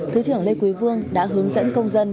thứ trưởng lê quý vương đã hướng dẫn công dân